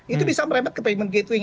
itu bisa merembet ke payment gateway